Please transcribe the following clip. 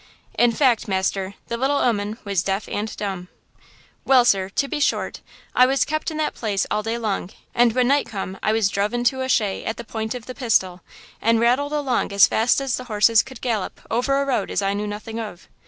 In fact, master, the little 'oman was deaf an' dumb. "Well, sir, to be short, I was kept in that place all day long, and when night come I was druv into a shay at the point of the pistil, and rattled along as fast as the horses could gallop over a road as I knew nothing of.